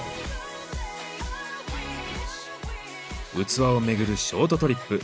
器をめぐるショートトリップ。